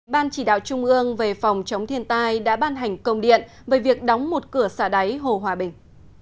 ban chỉ đạo trung ương về phòng chống thiên tai đã ban hành công điện về việc đóng một cửa xả đáy hồ hòa bình